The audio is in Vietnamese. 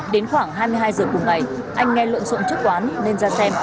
đến khoảng hai mươi hai h cùng ngày anh nghe luận xộn trước quán nên ra xem